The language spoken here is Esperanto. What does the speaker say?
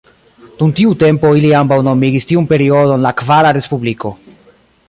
Dum tiu tempo ili ambaŭ nomigis tiun periodon la "kvara Respubliko".